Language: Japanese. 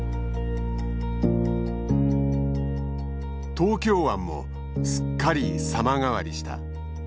東京湾もすっかり様変わりした。